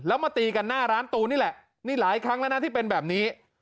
แล้วมาตีกันหน้าร้านตูนนี่แหละนี่หลายครั้งแล้วนะที่เป็นแบบนี้